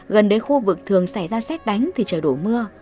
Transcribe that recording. gần đến khu vực thường xảy ra xét đánh thì trời đổ mưa